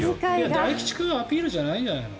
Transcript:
大吉君アピールじゃないんじゃないの？